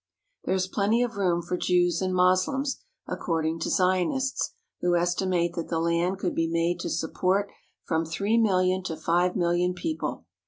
There is plenty of room for Jews and Moslems, accord ing to Zionists, who estimate that the land could be made to support from three million to five million people.